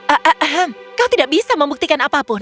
kau tidak bisa membuktikan apapun